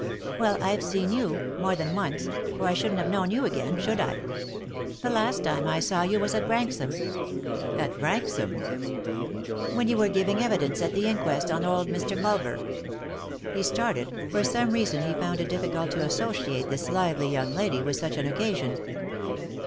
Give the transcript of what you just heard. "Well, I've seen you, more than once — or I shouldn't have known you again, should I ? The last time I saw you was at Branrham." " At Branxham ?" "When you were giving evidence at the inquest on old Mr. Culver." He started; for some reason he found it difficult to associate this lively young lady with such an occasion.